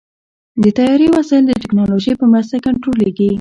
د طیارې وسایل د ټیکنالوژۍ په مرسته کنټرولېږي.